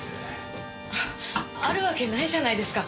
あるわけないじゃないですか。